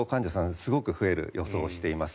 すごく増える予想をしています。